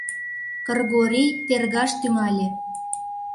— Кыргорий тергаш тӱҥале.